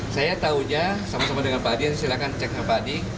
saya tahunya sama sama dengan pak adi silakan cek pak adi